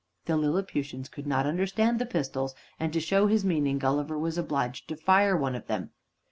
The Lilliputians could not understand the pistols, and to show his meaning, Gulliver was obliged to fire one of them.